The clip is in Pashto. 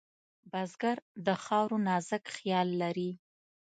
بزګر د خاورو نازک خیال لري